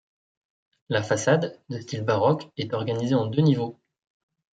La façade, de style baroque, est organisée en deux niveaux.